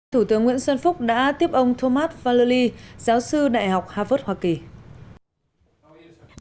thủ tướng nguyễn xuân phúc đã tiếp ông thomas valely giáo sư đại học harvard hoa kỳ